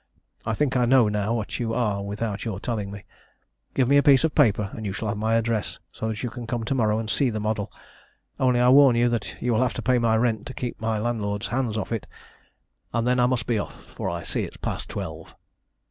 I think I know now what you are without your telling me. Give me a piece of paper and you shall have my address, so that you can come to morrow and see the model only I warn you that you will have to pay my rent to keep my landlord's hands off it. And then I must be off, for I see it's past twelve."